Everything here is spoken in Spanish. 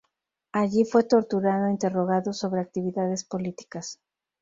Allí fue torturado e interrogado sobre actividades políticas.